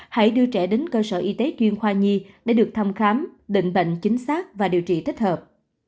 hãy đưa trẻ đến cơ sở y tế chuyên khoa nhi để được thăm khám định bệnh chính xác và điều trị thích hợp